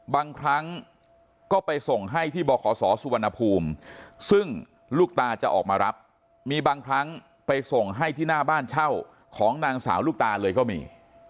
บางครั้งก็ไปส่งให้ที่บขศสุวรรณภูมิซึ่งลูกตาจะออกมารับมีบางครั้งไปส่งให้ที่หน้าบ้านเช่าของนางสาวลูกตาเลยก็มี